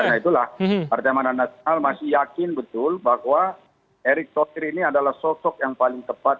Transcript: dan itulah partai manas nasional masih yakin betul bahwa erick thohir ini adalah sosok yang paling tepat